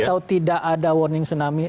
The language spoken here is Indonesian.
atau tidak ada warning tsunami